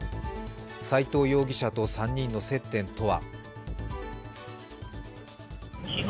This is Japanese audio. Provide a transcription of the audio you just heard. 斎藤容疑者と３人の接点とは。